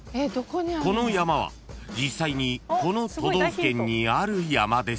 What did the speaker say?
［この山は実際にこの都道府県にある山です］